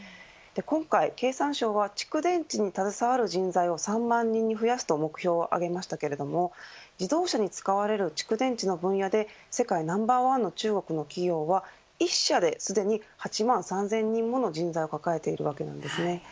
今回、経産省は蓄電池に携わる人材を３万人に増やすと目標をあげましたが自動車に使われる蓄電池の分野で世界ナンバーワンの中国の企業は１社ですでに８万３０００人もの人材を抱えています。